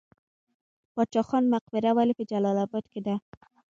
باچا خان مقبره ولې په جلال اباد کې ده؟